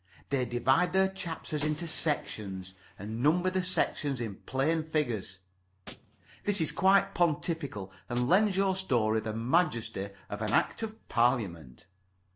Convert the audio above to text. They divide their chapters into sections, and number the sections in plain figures. This is quite pontifical, and lends your story the majesty of an Act of Parliament.